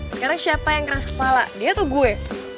sekarang siapa yang keras kepala dia tuh gue